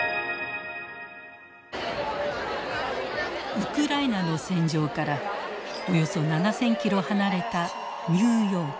ウクライナの戦場からおよそ７，０００キロ離れたニューヨーク。